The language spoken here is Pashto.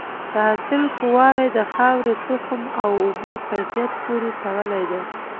د حاصل ښه والی د خاورې، تخم او اوبو کیفیت پورې تړلی دی.